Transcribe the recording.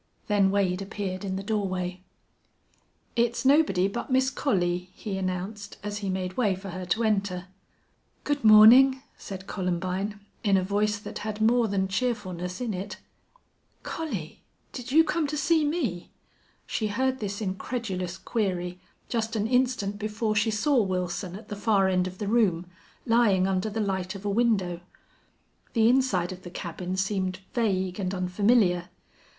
Then Wade appeared in the doorway. "It's nobody but Miss Collie," he announced, as he made way for her to enter. "Good morning!" said Columbine, in a voice that had more than cheerfulness in it. "Collie!... Did you come to see me?" She heard this incredulous query just an instant before she saw Wilson at the far end of the room, lying under the light of a window. The inside of the cabin seemed vague and unfamiliar.